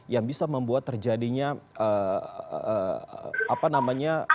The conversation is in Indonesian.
yang bisa membuat terjadinya